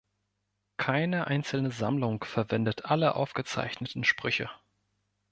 Keine einzelne Sammlung verwendet alle aufgezeichneten Sprüche.